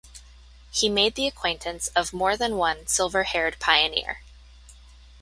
He made the acquaintance of more than one silver-haired pioneer.